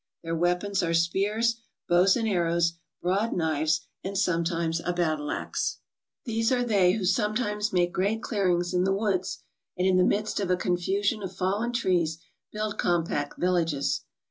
Their weapons are spears, bows and arrows, broad knives, and sometimes a battle ax. These are they who sometimes. make great clearings in the woods, and in the midst of a confusion of fallen trees build compact villages.